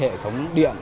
hệ thống điện